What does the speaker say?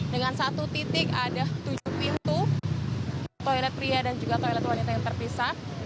dengan satu titik ada tujuh pintu toilet pria dan juga toilet wanita yang terpisah